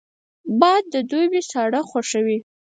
باد د دوبي ساړه خوښوي